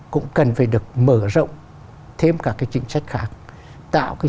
cũng cần phải được mở rộng thêm cả cái chính sách khác tạo cái